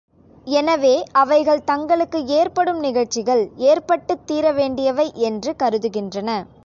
எனவே, அவைகள் தங்களுக்கு ஏற்படும் நிகழ்ச்சிகள் ஏற்பட்டுத் தீரவேண்டியவை என்று கருதுகின்றன.